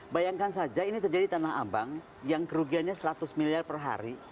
bayangkan saja ini terjadi tanah abang yang kerugiannya seratus miliar per hari